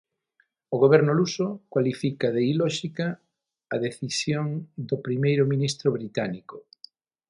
O Goberno luso cualifica de ilóxica a decisión do primeiro ministro británico.